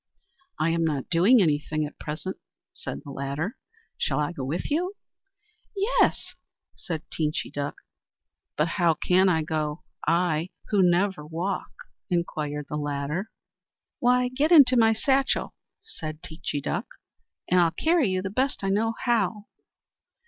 "I am not doing anything at present," said the Ladder, "shall I go with you?" "Yes," said Teenchy Duck. "But how can I go, I who never walk?" inquired the Ladder. "Why, get into my satchel," said Teenchy Duck, "and I'll carry you the best I know how."